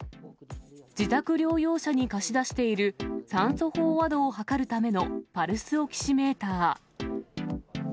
自宅療養者に貸し出している、酸素飽和度を測るためのパルスオキシメーター。